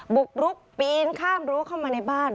บุกรุกปีนข้ามรั้วเข้ามาในบ้าน